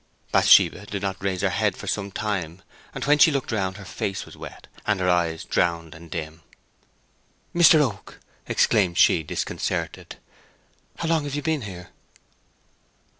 Bathsheba did not raise her head for some time, and when she looked round her face was wet, and her eyes drowned and dim. "Mr. Oak," exclaimed she, disconcerted, "how long have you been here?"